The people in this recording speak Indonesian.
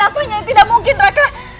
akunya yang tidak mungkin raka